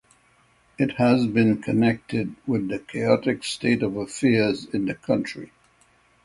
It has been connected with the chaotic state of affairs in the country.